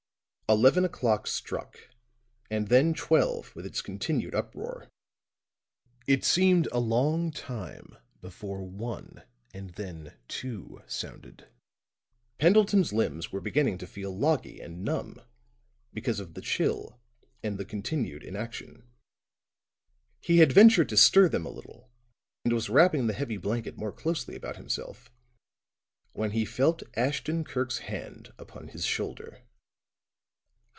Eleven o'clock struck, and then twelve with its continued uproar. It seemed a long time before one and then two sounded. Pendleton's limbs were beginning to feel loggy and numb because of the chill and the continued inaction. He had ventured to stir them a little, and was wrapping the heavy blanket more closely about himself, when he felt Ashton Kirk's hand upon his shoulder.